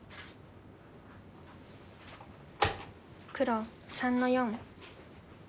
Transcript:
黒３の四。